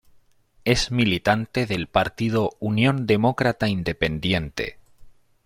Es militante del partido Unión Demócrata Independiente.